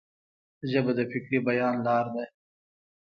ژبه د فکري بیان لار ده.